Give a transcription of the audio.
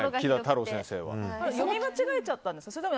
読み間違えちゃったんですか？